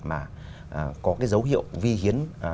mà có cái dấu hiệu vi hiến